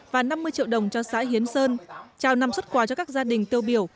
và năm mươi triệu đồng cho xã hiến sơn trao năm xuất quà cho các gia đình tiêu biểu